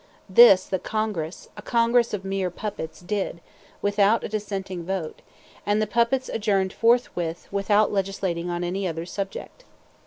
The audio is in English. This the Congress a Congress of mere puppets did, without a dissenting vote; and the puppets adjourned forthwith without legislating on any other subject.